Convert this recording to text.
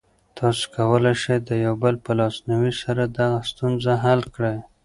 تاسو کولی شئ د یو بل په لاسنیوي سره دغه ستونزه حل کړئ.